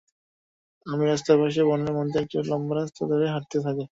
অমি রাস্তার পাশে বনের মধ্যে একটি লম্বা রাস্তা ধরে হাঁটতে থাকে।